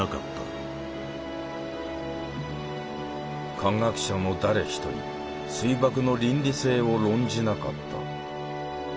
科学者の誰一人水爆の倫理性を論じなかった。